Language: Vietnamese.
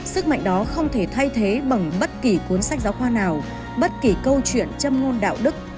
sức mạnh đó không thể thay thế bằng bất kỳ cuốn sách giáo khoa nào bất kỳ câu chuyện châm ngôn đạo đức